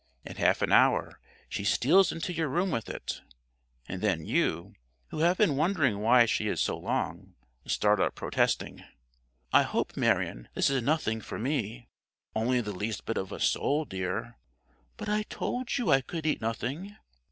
In half an hour she steals into your room with it, and then you (who have been wondering why she is so long) start up protesting: "I hope, Marion, this is nothing for me." "Only the least bit of a sole, dear." "But I told you I could eat nothing."